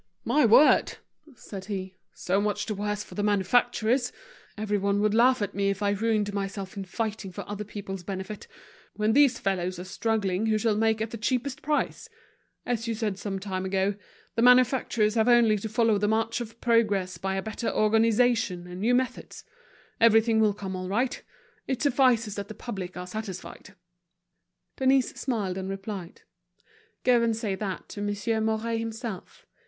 "My word," said he, "so much the worse for the manufacturers! Everyone would laugh at me if I ruined myself in fighting for other people's benefit, when these fellows are struggling who shall make at the cheapest price! As you said some time ago, the manufacturers have only to follow the march of progress by a better organization and new methods. Everything will come all right; it suffices that the public are satisfied." Denise smiled and replied: "Go and say that to Monsieur Mouret himself.